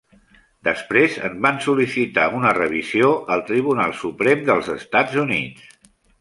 Després en van sol·licitar una revisió al Tribunal Suprem dels Estats Units.